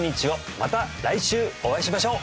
また来週お会いしましょう！